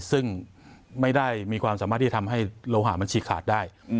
ซึ่งไม่ได้มีความสามารถที่ทำให้โลหะมันฉีกขาดได้